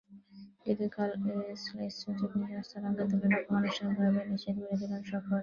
যদিও কাল এসএলসি সচিব নিশান্থা রানাতুঙ্গা একরকম আনুষ্ঠানিকভাবেই নিশ্চিত করে দিলেন সফর।